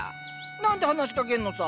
何て話しかけんのさ？